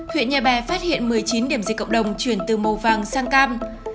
huyện nhà bè phát hiện một mươi chín điểm dịch cộng đồng chuyển từ màu vàng sang cam